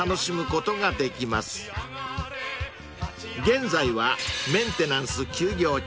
［現在はメンテナンス休業中］